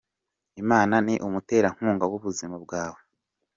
Imana ni umuterankunga w’ubuzima bwawe